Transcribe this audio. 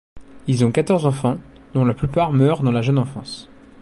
Ils ont quatorze enfants, dont la plupart meurent dans la jeune enfance.